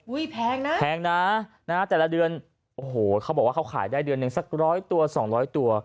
อุ๊ยแพงนะนะแต่ละเดือนโอ้โหเขาบอกว่าเขาขายได้เดือนหนึ่งสัก๑๐๐ตัว๒๐๐ตัว